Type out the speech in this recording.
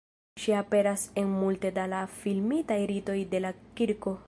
Ŝi aperas en multe da la filmitaj ritoj de la Kirko.